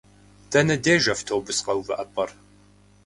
Дэнэ деж автобус къэувыӏэпӏэр?